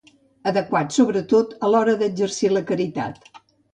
Adequat, sobretot a l'hora d'exercir la caritat.